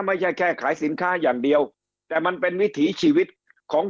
ไม่ใช่แค่ขายสินค้าอย่างเดียวแต่มันเป็นวิถีชีวิตของ